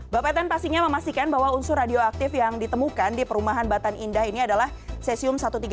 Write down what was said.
bapak ten pastinya memastikan bahwa unsur radioaktif yang ditemukan di perumahan batan indah ini adalah cesium satu ratus tiga puluh